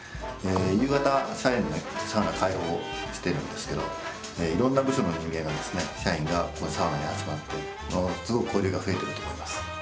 夕方社員にサウナ開放してるんですけどいろんな部署の人間がですね社員がサウナに集まってすごく交流が増えてると思います。